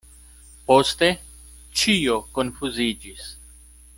Poste ĉio konfuziĝis.